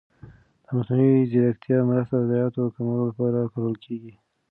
د مصنوعي ځېرکتیا مرسته د ضایعاتو کمولو لپاره کارول کېږي.